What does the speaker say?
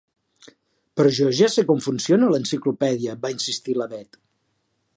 Però jo ja sé com funciona l'enciclopèdia —va insistir la Bet—.